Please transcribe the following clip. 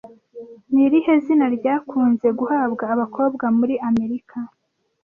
ni irihe zina ryakunze guhabwa abakobwa muri Amerika